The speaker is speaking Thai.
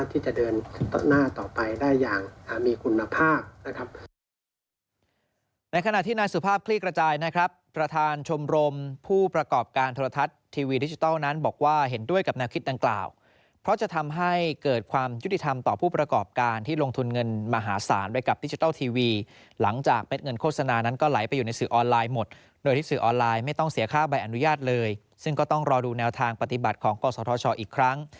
ทำให้อุตสาหกรรมสามารถที่จะเดินตะหน้าต่อไปได้อย่างมีคุณภาพนะครับ